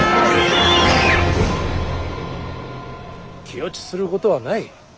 気落ちすることはない。